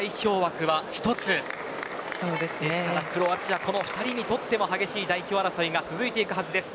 クロアチアはこの２人にとっても激しい代表争いが続いていくはずです。